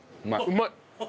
うまい！